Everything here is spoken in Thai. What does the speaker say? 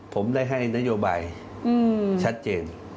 ผมได้ให้นโยบายชัดเจน